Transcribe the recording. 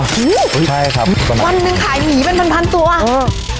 ใช่ครับวันหนึ่งขายหมีเป็นพันตัวอ่ะอืม